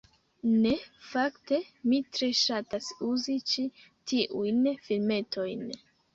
Ne, fakte, mi tre ŝatas uzi ĉi tiujn filmetojn